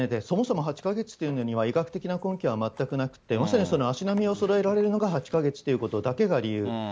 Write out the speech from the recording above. そもそも８か月というのには、医学的な根拠は全くなくて、もちろん足並みをそろえられるのが８か月ということだけが理由。